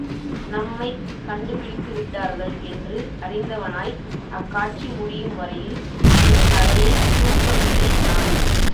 நம்மைக் கண்டுபிடித்துவிட்டார்கள் என்று அறிந்தவனாய் அக்காட்சி முடியும் வரையில் என் தலையைத் தூக்கவில்லை நான்!